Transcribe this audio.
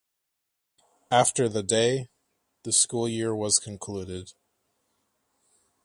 After the day, the school year was concluded.